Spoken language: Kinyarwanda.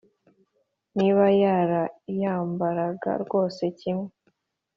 niba yarayambaraga rwose kimwe,